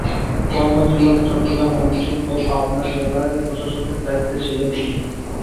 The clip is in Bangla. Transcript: কর্মজীবনে চট্টগ্রাম, ময়মনসিংহ ও পাবনার জেলা প্রশাসকের দায়িত্বে ছিলেন তিনি।